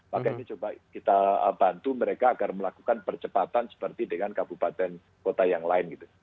maka ini coba kita bantu mereka agar melakukan percepatan seperti dengan kabupaten kota yang lain gitu